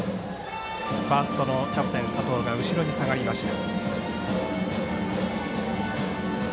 ファーストのキャプテン佐藤が後ろに下がりました。